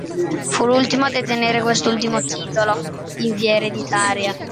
Fu l'ultimo a detenere quest'ultimo titolo in via ereditaria.